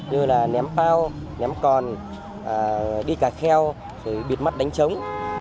như là ném bao ném còn đi cà kheo biệt mắt đánh trống